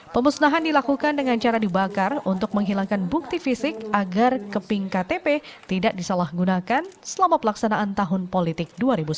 pemusnahan dilakukan dengan cara dibakar untuk menghilangkan bukti fisik agar keping ktp tidak disalahgunakan selama pelaksanaan tahun politik dua ribu sembilan belas